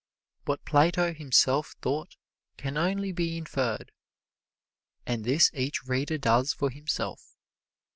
What Plato himself thought can only be inferred, and this each reader does for himself.